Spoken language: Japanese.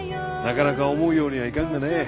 なかなか思うようにはいかんがね。